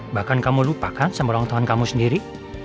bahkan kamu lupa kan sama orangtangan kamu sendiri